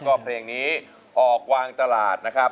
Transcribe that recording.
ก็เพลงนี้ออกวางตลาดนะครับ